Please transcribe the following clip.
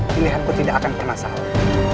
pilihanku tidak akan pernah salah